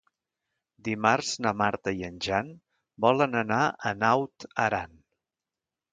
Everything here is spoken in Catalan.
Dimarts na Marta i en Jan volen anar a Naut Aran.